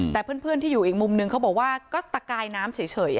แต่เพื่อนที่อยู่อีกมุมนึงเขาบอกว่าก็ตะกายน้ำเฉย